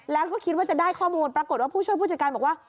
แล้วก็คิดว่าจะได้ข้อมูลปรากฏว่าผู้ช่วยผู้จัดการบอกว่า